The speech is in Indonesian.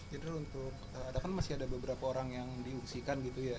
jadi untuk ada kan masih ada beberapa orang yang diungsikan gitu ya